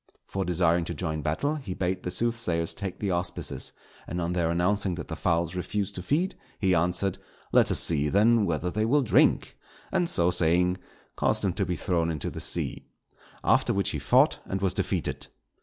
For desiring to join battle, he bade the soothsayers take the auspices, and on their announcing that the fowls refused to feed, he answered, "Let us see, then, whether they will drink," and, so saying, caused them to be thrown into the sea. After which he fought and was defeated.